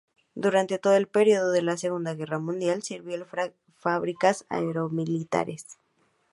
Durante todo el periodo de la segunda guerra mundial sirvió en fábricas aero-militares.